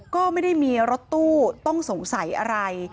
ก็ไม่ได้มีรถตู้ต้องสงสัยอะไร